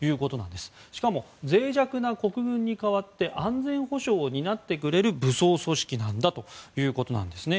しかも脆弱な国軍に代わって安全保障を担ってくれる武装組織なんだということです。